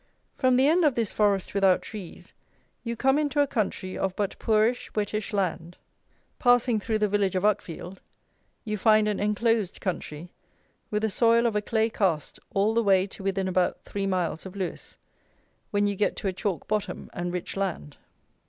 From the end of this forest without trees you come into a country of but poorish wettish land. Passing through the village of Uckfield, you find an enclosed country, with a soil of a clay cast all the way to within about three miles of Lewes, when you get to a chalk bottom, and rich land.